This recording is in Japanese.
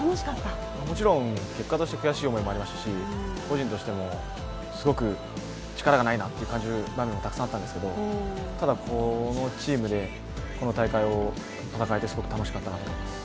もちろん結果として悔しい思いもありましたし、個人としてもすごく力がないなと感じる場面がたくさんあったんですけどただ、このチームで、この大会を戦えてすごく楽しかったなと思います。